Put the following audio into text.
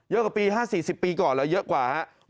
เยอะกว่าปี๕๔๐ปีก่อนเหรอเยอะกว่าฮะ